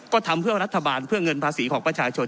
ก็ทำเพื่อรัฐบาลเพื่อเงินภาษีของประชาชน